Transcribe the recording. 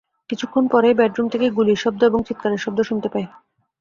কিছুক্ষণ পরেই বেডরুম থেকে গুলির শব্দ এবং চিৎকারের শব্দ শুনতে পাই।